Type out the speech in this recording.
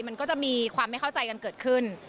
มันก็จะมีความไม่เข้าใจกันเกิดขึ้น